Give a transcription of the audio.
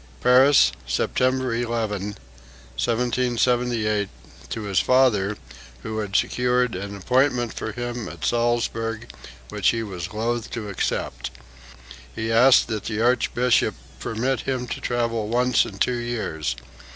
(Paris, September 11, 1778, to his father, who had secured an appointment for him at Salzburg which he was loath to accept. He asked that the Archbishop permit him to travel once in two years.